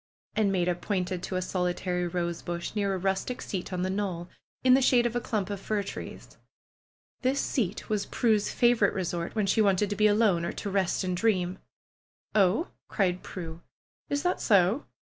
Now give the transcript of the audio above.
And Maida pointed to s solitary rosebush, near a rustic seat on the knoll, in the shade of a clump of flr trees. This seat was Prue's favorite resort when she wanted to be alone or to rest and dream. "Oh!" cried Prue. "Is that so?"